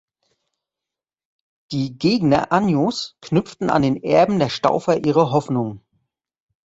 Die Gegner Anjous knüpften an den Erben der Staufer ihre Hoffnungen.